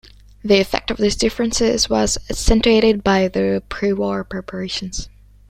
The effect of these differences was accentuated by the pre-war preparations.